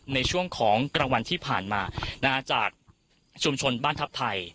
ในช่วงของกลางวันที่ผ่านมาจากชุมชนบ้านทัพไทย